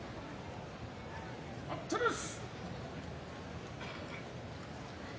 待ったなし。